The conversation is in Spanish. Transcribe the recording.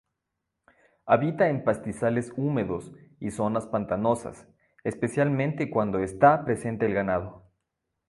Habita en pastizales húmedos y zonas pantanosas, especialmente cuando está presente el ganado.